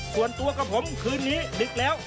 ส่วนตัวกับผมคืนนี้ดึกแล้ว